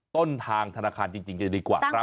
ต้นทางธนาคารจริงจะดีกว่าครับ